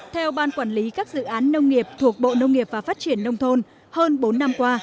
theo ban quản lý các dự án nông nghiệp thuộc bộ nông nghiệp và phát triển nông thôn hơn bốn năm qua